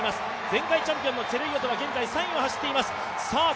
前回チャンピオンのチェルイヨトは現在３位を走っています